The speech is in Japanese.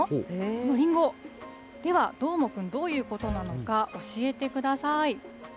このりんご、では、どーもくん、どういうことなのか、教えてください。